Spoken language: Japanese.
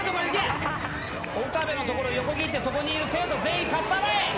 岡部のところ横切ってそこにいる生徒全員かっ払え！